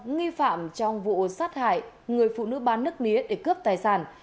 nghi phạm trong vụ sát hại người phụ nữ bán nước mía để cướp tài sản